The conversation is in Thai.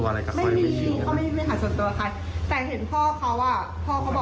เขาเรียกว่าอะไรอะรักผิดชอบกันอยู่ดูแลกันอยู่